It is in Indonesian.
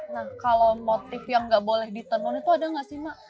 nah kalau motif yang nggak boleh ditenun itu ada nggak sih mak